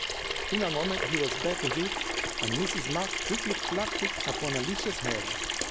In a moment he was back with it, and Mrs. Muff quickly clapped it upon Alicia's head.